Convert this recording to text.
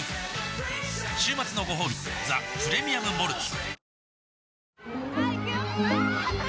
週末のごほうび「ザ・プレミアム・モルツ」おおーー